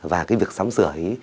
và cái việc sắm sửa ấy